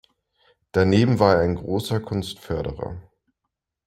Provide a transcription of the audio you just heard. Daneben war er ein großer Kunstförderer.